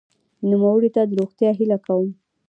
نوموړي ته د روغتیا هیله کوم.